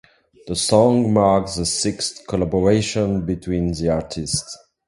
The song marks the sixth collaboration between the artists.